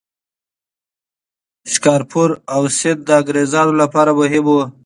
شکارپور او سند د انګریزانو لپاره مهم وو.